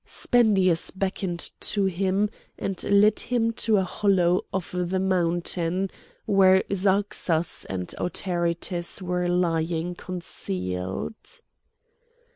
Spendius beckoned to him and led him to a hollow of the mountain, where Zarxas and Autaritus were lying concealed.